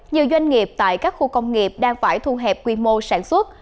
nhiều doanh nghiệp tại các khu công nghiệp đang phải thu hẹp quy mô sản xuất